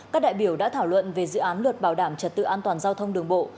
các đại biểu đã thảo luận về dự án luật bảo đảm trật tự an toàn giao thông đường bộ